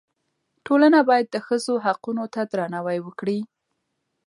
ټولنه باید د ښځو حقونو ته درناوی وکړي.